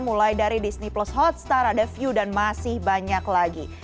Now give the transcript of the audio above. mulai dari disney plus hotstar ada view dan masih banyak lagi